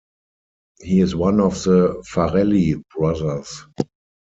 He is one of the Farrelly brothers.